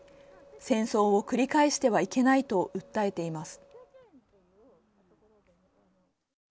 戦争を繰り返してはいけないと訴えています。